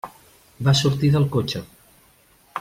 Va sortir del cotxe.